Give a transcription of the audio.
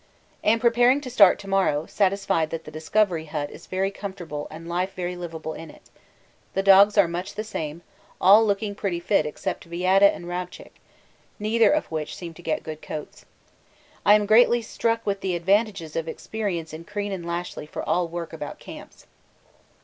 Am preparing to start to morrow, satisfied that the Discovery Hut is very comfortable and life very liveable in it. The dogs are much the same, all looking pretty fit except Vaida and Rabchick neither of which seem to get good coats. I am greatly struck with the advantages of experience in Crean and Lashly for all work about camps.